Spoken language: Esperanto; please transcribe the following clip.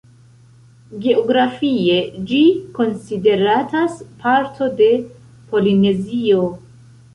Geografie, ĝi konsideratas parto de Polinezio.